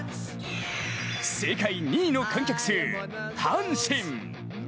世界２位の観客数、阪神。